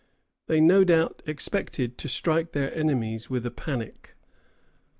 They no doubt expected to strike their enemies with a panic.